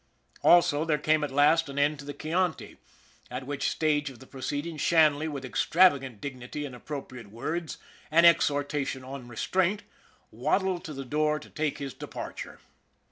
Also there came at last an end to the Chianti, at which stage of the proceedings Shanley, with extravagant dignity and appropriate words an exhortation on restraint waddled to the door to take his departure.